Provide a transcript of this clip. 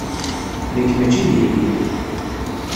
Nekk maci d yelli-m.